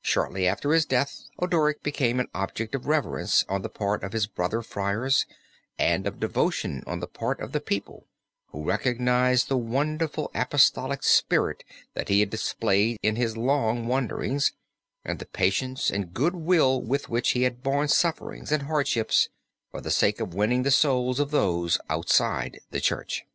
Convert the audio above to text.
Shortly after his death Odoric became an object of reverence on the part of his brother friars and of devotion on the part of the people, who recognized the wonderful apostolic spirit that he had displayed in his long wanderings, and the patience and good will with which he had borne sufferings and hardships for the sake of winning the souls of those outside the Church.